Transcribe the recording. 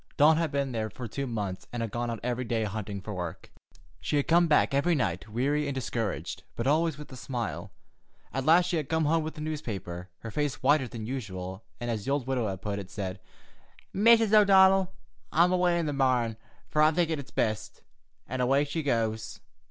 Dawn had been there for two months, and had gone out every day hunting work. She had come back every night weary and discouraged, but always with a smile. At last she had come home with a newspaper, her face whiter than usual, and, as the old widow had put it, said: "'Mrs. O'Donnell, I'm away in the marn, fer I'm thinkin' it's best;' and away she goes."